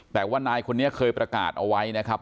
แต่ว่านายคนนี้เคยประกาศเอาไว้นะครับ